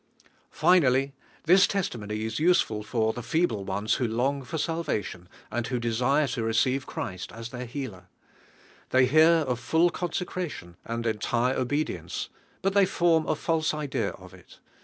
Finally, this testimony is useful for the feeble ones who long for salvation, and who desire to receive Christ as their Seal er. They hear of full consecration nnd entire obedience, but they form a false idea of it.